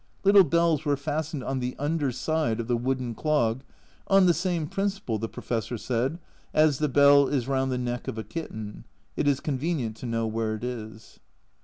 Little bells were fastened on the under side of the wooden clog, "on the same principle," the Professor said, "as the bell is round the neck of a kitten it is convenient to know where it is."